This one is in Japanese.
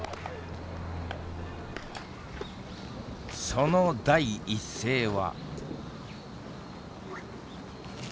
その第一声は。